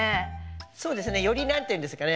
そうですねより何て言うんですかね